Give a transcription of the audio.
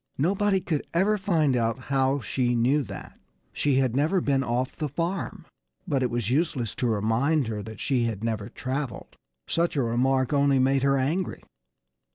Nobody could ever find out how she knew that. She had never been off the farm. But it was useless to remind her that she had never travelled. Such a remark only made her angry.